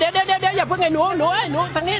เดี๋ยวอย่าพูดแค่หนูอายหนูทางนี้